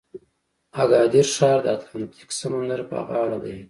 اګادیر ښار د اتلانتیک سمندر په غاړه دی.